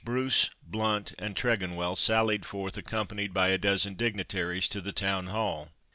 Bruce, Blount, and Tregonwell sallied forth accompanied by a dozen dignitaries to the Town Hall.